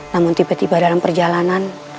namun tiba tiba dalam perjalanan